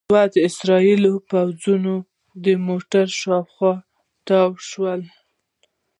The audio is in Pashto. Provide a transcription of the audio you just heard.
دوه اسرائیلي پوځیان د موټر شاوخوا تاو شول.